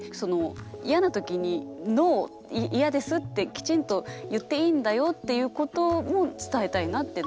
嫌なときにノー嫌ですってきちんと言っていいんだよっていうことも伝えたいなって